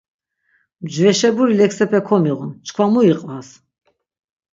Mcveşeburi leksepe komiğun, çkva mu iqvas.